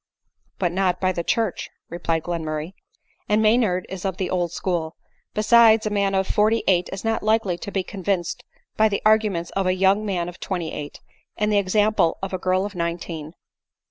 " But not by the church," replied Glenmurray, " and Maynard is of the old school ; beides, a man of forty eight is not likely to be convinced by the arguments of a young man of twenty eight, and the example of a girl of nineteen."